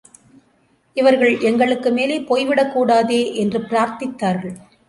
இவர்கள் எங்களுக்கு மேலே போய் விடக்கூடாதே என்று பிரார்த்தித்தார்கள்.